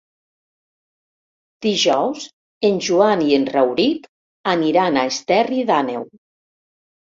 Dijous en Joan i en Rauric aniran a Esterri d'Àneu.